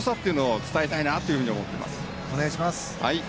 お願いします。